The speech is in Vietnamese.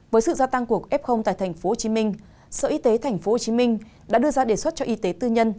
với sự gia tăng của f tại tp hcm sở y tế tp hcm đã đưa ra đề xuất cho y tế tư nhân